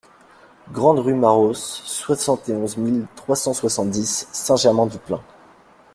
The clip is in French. Grande Rue Marosse, soixante et onze mille trois cent soixante-dix Saint-Germain-du-Plain